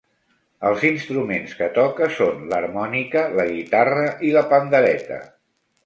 Els instruments que toca són l"harmònica, la guitarra i la pandereta.